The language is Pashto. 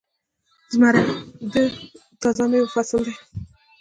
زمری د تازه میوو فصل دی.